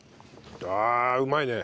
ああうまいね。